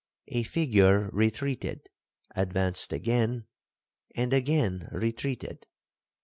A figure retreated, advanced again, and again retreated.